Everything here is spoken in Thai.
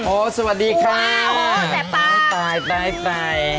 โอ๊ยสวัสดีค่ะตายแสบปาก